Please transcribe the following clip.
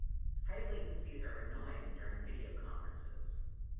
High latencies are annoying during video conferences.